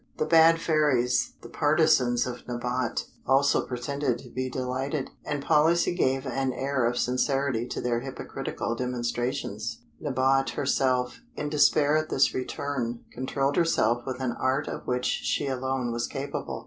The bad fairies, the partisans of Nabote, also pretended to be delighted, and policy gave an air of sincerity to their hypocritical demonstrations. Nabote herself, in despair at this return, controlled herself with an art of which she alone was capable.